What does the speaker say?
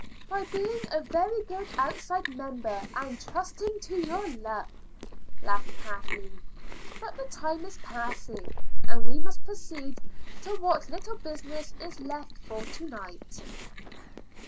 "By being a very good outside member, and trusting to your luck," laughed Kathleen. "But the time is passing, and we must proceed to what little business is left for to night."